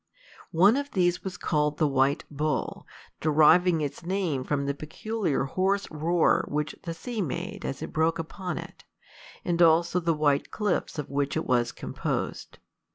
One of these was called the White Bull, deriving its name from the peculiar hoarse roar which the sea made as it broke upon it, and also the white cliffs of which it was composed.